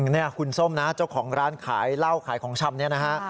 นี่คุณส้มนะเจ้าของร้านขายเหล้าขายของชำเนี่ยนะฮะ